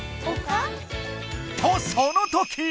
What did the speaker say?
とそのとき！